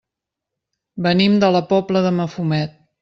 Venim de la Pobla de Mafumet.